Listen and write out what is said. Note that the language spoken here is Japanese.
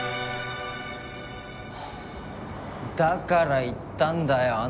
だから言ったんだよ